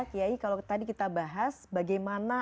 kiai kalau tadi kita bahas bagaimana